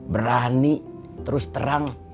berani terus terang